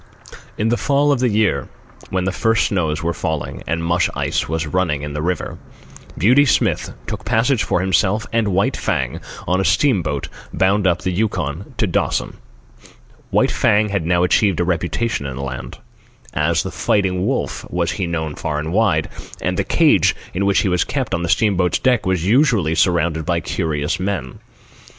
In the fall of the year, when the first snows were falling and mush ice was running in the river, Beauty Smith took passage for himself and White Fang on a steamboat bound up the Yukon to Dawson. White Fang had now achieved a reputation in the land. As "the Fighting Wolf" he was known far and wide, and the cage in which he was kept on the steam boat's deck was usually surrounded by curious men.